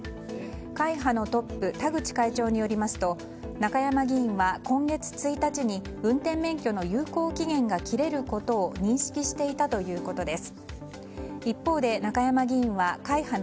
会派のトップ田口会長によりますと中山議員は今月１日に運転免許の有効期限が切れることを認識していたということです。